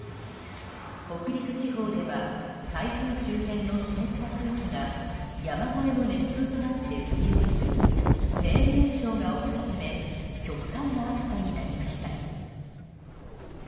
北陸地方では台風周辺の湿った空気が山越えの熱風となって吹き降りるフェーン現象が起きたため極端な暑さになりました。